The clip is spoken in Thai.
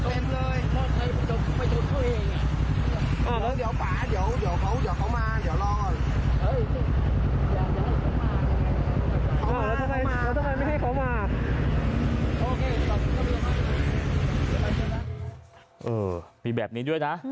มีแบบนี้ด้วยนะ